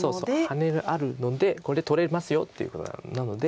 ハネあるのでこれ取れますよっていうことなので。